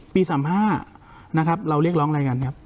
ปี๓๕เรียกร้องอะไรกันครับ